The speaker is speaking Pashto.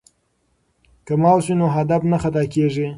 که ماوس وي نو هدف نه خطا کیږي.